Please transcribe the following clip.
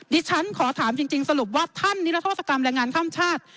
ดิฉันขอถามจริงสรุปว่าท่านนิรโทษกรรมแรงงานข้ามชาติ